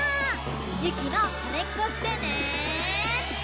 ゆきのまねっこしてね！